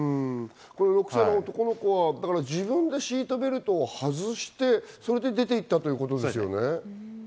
６歳の男の子は自分でシートベルトを外して、それで出ていったということですね。